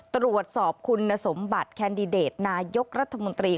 ตรวจสอบคุณสมบัติแคนดิเดตนายกรัฐมนตรี